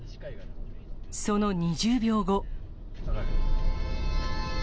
その２０秒後。